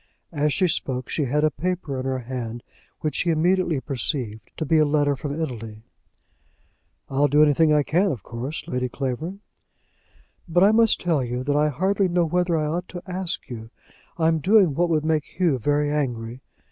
As she spoke, she had a paper in her hand which he immediately perceived to be a letter from Italy. "I'll do anything I can, of course, Lady Clavering." "But I must tell you, that I hardly know whether I ought to ask you. I'm doing what would make Hugh very angry.